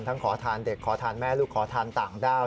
ขอทานเด็กขอทานแม่ลูกขอทานต่างด้าว